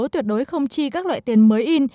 tuyệt đối không chi các loại tiền mới in